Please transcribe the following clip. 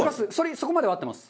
そこまでは合ってます。